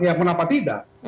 ya kenapa tidak